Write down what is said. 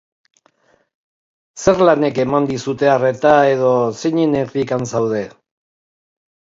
Zer lanek eman dizute arreta edo zeinen irrikan zaude?